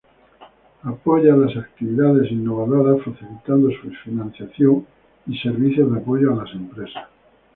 Apoya las actividades innovadoras facilitando su financiación y servicios de apoyo a las empresas.